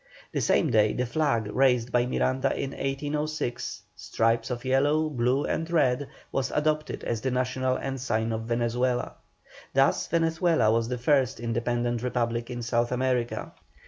The same day the flag raised by Miranda in 1806, stripes of yellow, blue, and red, was adopted as the national ensign of Venezuela. Thus Venezuela was the first independent republic in South America.